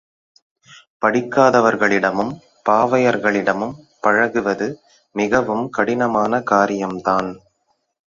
படிக்காதவர்களிடமும், பாவையர்களிடமும் பழகுவது மிகவும் கடினமான காரியம்தான்!